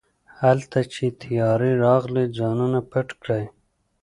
هلته چې طيارې راغلې ځانونه پټ کړئ.